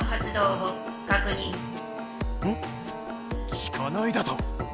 きかないだと？